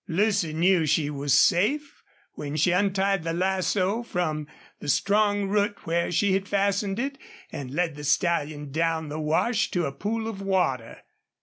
Lucy knew she was safe when she untied the lasso from the strong root where she had fastened it, and led the stallion down the wash to a pool of water.